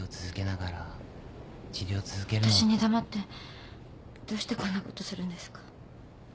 わたしに黙ってどうしてこんなことするんですか？